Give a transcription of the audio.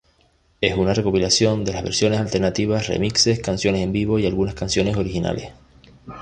Es una recopilación de versiones alternativas, remixes, canciones en vivo y algunas canciones originales.